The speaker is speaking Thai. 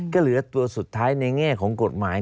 ก็เหลือตัวสุดท้ายในแง่ของกฎหมาย